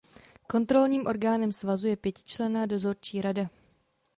Kontrolním orgánem Svazu je pětičlenná dozorčí rada.